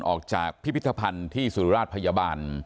ออกจากพิพิธภัณฑ์ที่สุราชพยาบาล